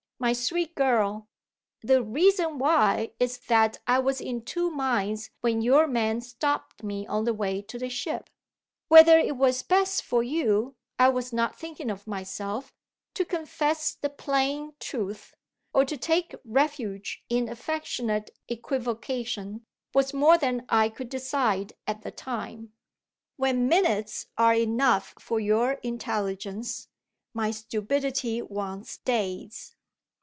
"My sweet girl, the reason why is that I was in two minds when your man stopped me on my way to the ship. "Whether it was best for you I was not thinking of myself to confess the plain truth, or to take refuge in affectionate equivocation, was more than I could decide at the time. When minutes are enough for your intelligence, my stupidity wants days.